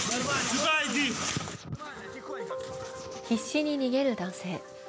必死に逃げる男性。